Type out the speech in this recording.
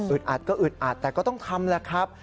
อัดก็อึดอัดแต่ก็ต้องทำแหละครับ